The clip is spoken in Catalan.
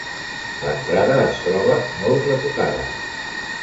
L'entrada es troba molt retocada.